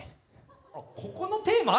あっここのテーマ？